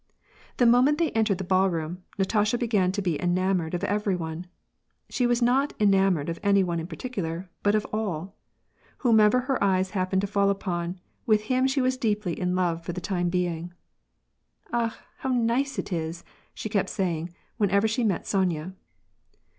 The moment they entered the ballroom, Natasha began to be enamoured of everyone. She was not enamoured of any one in particular, but of all ! Whomever her eyes happened to fall upon, with him she was deeply in love for the time being. " Akh ! how nice it is !" she kept saying, whenever she met Sonya.